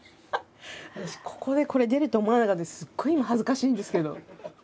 私ここでこれ出ると思わなかったのですごい今恥ずかしいんですけど。